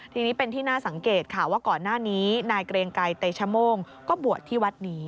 ทีนี้เป็นที่น่าสังเกตค่ะว่าก่อนหน้านี้นายเกรงไกรเตชโม่งก็บวชที่วัดนี้